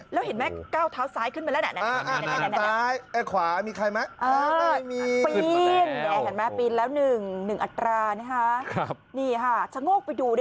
แล้วเห็นไหมก้าวเท้าซ้ายขึ้นไปแล้วนะ